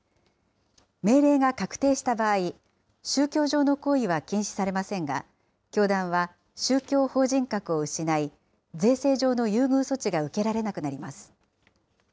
命令が確定した場合、宗教上の行為は禁止されませんが、教団は宗教法人格を失い、税制上の優遇措置が受けられなくなります。